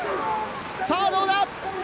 さあ、どうだ？